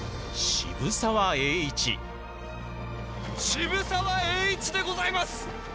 渋沢栄一でございます。